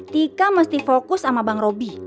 tika mesti fokus sama bang roby